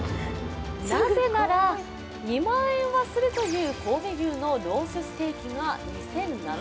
なぜなら、２万円はするという神戸牛のロースステーキが２７００円。